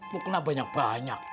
mau kena banyak banyak